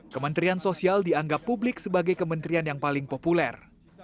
kementerian sosial dianggap publik sebagai kementerian yang paling populer